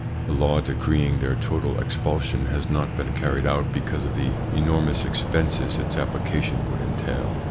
The law decreeing their total expulsion has not been carried out because of the enormous expenses its application would entail.